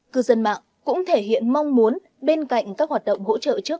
cư dân mạng cũng thể hiện mong muốn bên cạnh các hoạt động hỗ trợ trước